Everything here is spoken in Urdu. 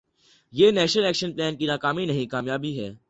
یہ نیشنل ایکشن پلان کی ناکامی نہیں، کامیابی ہے۔